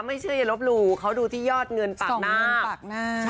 ไม่เชื่ออย่าลบหลู่เขาดูที่ยอดเงินปากน้ำปากหน้า